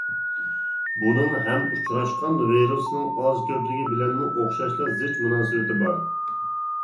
بۇنىڭ ھەم ئۇچراشقان ۋىرۇسنىڭ ئاز-كۆپلۈكى بىلەنمۇ ئوخشاشلا زىچ مۇناسىۋىتى بار.